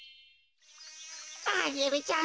アゲルちゃん